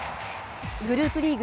グループリーグ